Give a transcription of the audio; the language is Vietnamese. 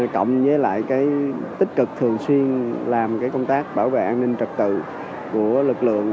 cộng với lại cái tích cực thường xuyên làm cái công tác bảo vệ an ninh trực tự của lực lượng